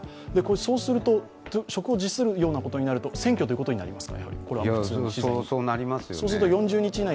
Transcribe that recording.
そうすると、職を辞するようなことになると選挙となりますか？